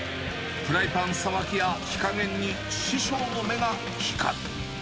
フライパンさばきや火加減に師匠の目が光る。